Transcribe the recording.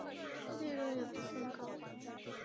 利润也不算高